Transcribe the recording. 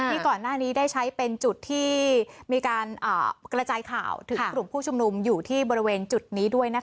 ที่ก่อนหน้านี้ได้ใช้เป็นจุดที่มีการกระจายข่าวถึงกลุ่มผู้ชุมนุมอยู่ที่บริเวณจุดนี้ด้วย